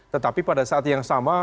tetapi pada saat yang sama